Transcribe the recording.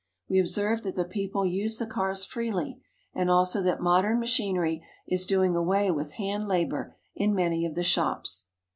We observe that the people use the cars freely, and also that modern machinery is doing away with hand labor in many of the shops.